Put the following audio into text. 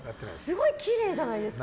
すごいきれいじゃないですか？